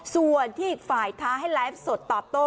ส่วนที่อีกฝ่ายท้าให้ไลฟ์สดตอบโต้